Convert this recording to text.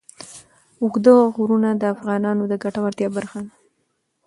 اوږده غرونه د افغانانو د ګټورتیا برخه ده.